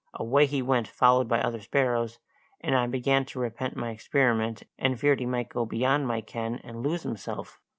Away he went, followed by the sparrows, and I began to repent my experiment, and feared he might go beyond my ken and lose himself.